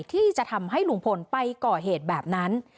ที่จะทำให้ลุงพลไปก่อเหตุแบบนั้น